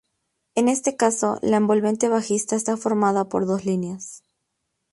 En este caso, la envolvente bajista está formada por dos líneas.